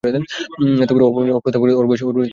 এতবড়ো অভাবনীয় প্রস্তাব ওর বয়সে কখনো শোনে নি।